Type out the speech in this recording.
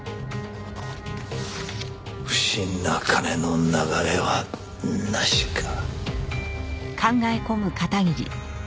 不審な金の流れはなしか。